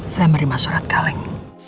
saya menerima surat kaleng